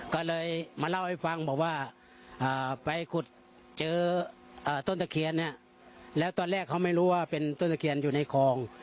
ก็เลยมาเล่าให้ฟังบอกว่าไปขุดเจอต้นตะเคียนเนี่ยแล้วตอนแรกเขาไม่รู้ว่าเป็นต้นตะเคียนอยู่ในคลอง